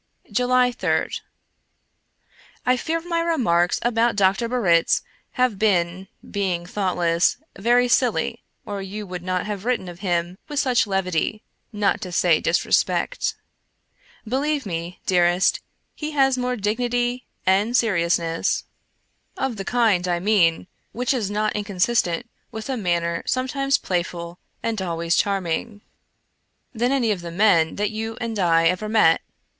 July 3d. I fear my remarks about Dr. Barritz must have been, being thoughtless, very silly, or you would not have written of him with such levity, not to say disrespect. Believe me, dearest, he has more dignity and seriousness (of the kind, 97 American Mystery Stories I mean, which is not inconsistent with a manner sometimes playful and ahvays charming) than any of the men that you and I ever met.